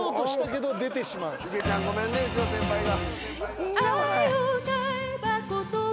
池ちゃんごめんねうちの先輩が。